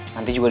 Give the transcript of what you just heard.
nanti juga di